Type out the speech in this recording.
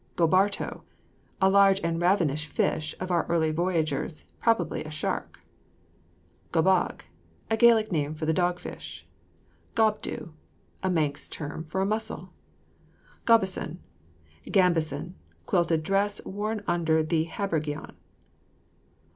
GOBARTO. A large and ravenous fish of our early voyagers, probably a shark. GOBBAG. A Gaelic name for the dog fish. GOB DOO. A Manx term for a mussel. GOBISSON. Gambesson; quilted dress worn under the habergeon.